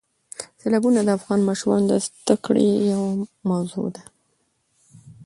سیلابونه د افغان ماشومانو د زده کړې یوه موضوع ده.